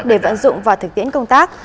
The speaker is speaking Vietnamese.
để vận dụng và thực tiễn công tác